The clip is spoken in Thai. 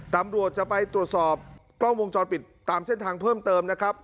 ตำรวจจะไปตรวจสอบกล้องวงจรปิดตามเส้นทางเพิ่มเติมนะครับ